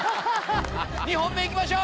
２本目行きましょう！